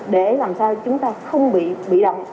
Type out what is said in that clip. để làm sao chúng ta không bị động